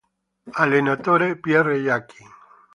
Allenatore: Pierre Jacky